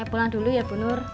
pulang dulu ya bu nur